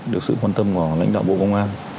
được sự quan tâm của lãnh đạo bộ công an